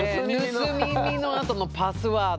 「盗み見」のあとの「パスワード」。